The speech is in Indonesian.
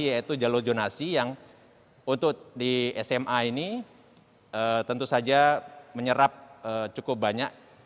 yaitu jalur jonasi yang untuk di sma ini tentu saja menyerap cukup banyak